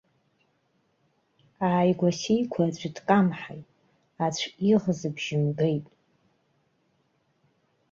Ааигәа-сигәа аӡәы дкамҳаит, аӡәы иӷызбжьы мгеит.